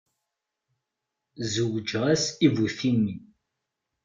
Zewǧeɣ-as i bu timmi.